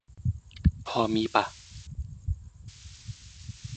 พอมีป่ะ ?